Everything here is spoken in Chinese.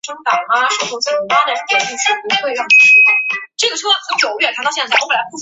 负责的政府机构为国土交通省。